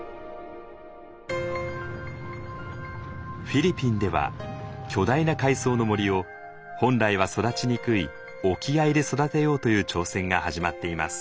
フィリピンでは巨大な海藻の森を本来は育ちにくい沖合で育てようという挑戦が始まっています。